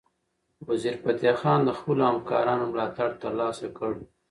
وزیرفتح خان د خپلو همکارانو ملاتړ ترلاسه کړ.